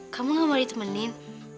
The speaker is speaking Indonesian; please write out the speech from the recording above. kamu gak mau ditemenin